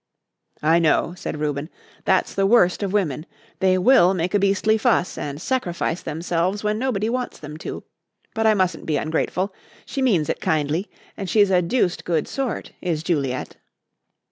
"I know," said Reuben. "That's the worst of women they will make a beastly fuss and sacrifice themselves when nobody wants them to. But I mustn't be ungrateful; she means it kindly, and she's a deuced good sort, is Juliet."